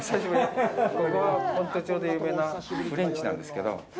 ここは先斗町で有名なフレンチなんですけど。